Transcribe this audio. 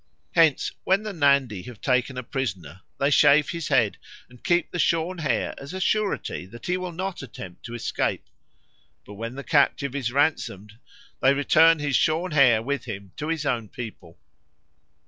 Hence when the Nandi have taken a prisoner they shave his head and keep the shorn hair as a surety that he will not attempt to escape; but when the captive is ransomed, they return his shorn hair with him to his own people.